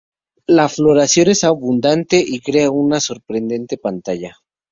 La floración es abundante y crea una sorprendente pantalla.